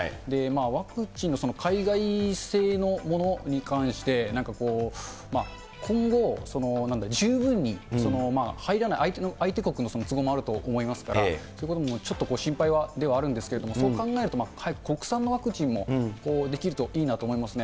ワクチンの海外製のものに関して、なんかこう、今後、十分に入らない、相手国の都合もあると思いますから、そういうこともちょっと心配ではあるんですけれども、そう考えると、早く国産のワクチンもできるといいなと思いますね。